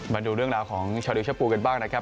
มาดูเรื่องราวของชาดีชะปุ๋ยกันบ้างนะครับ